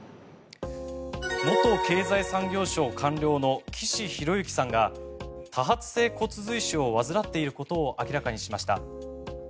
元経済産業省官僚の岸博幸さんが多発性骨髄腫を患っていることを明らかにしました。